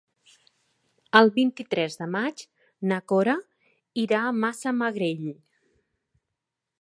El vint-i-tres de maig na Cora irà a Massamagrell.